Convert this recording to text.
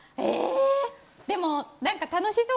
でもなんか楽しそう。